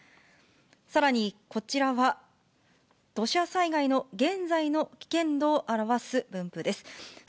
さらにこちらは、土砂災害の現在の危険度を表す分布です。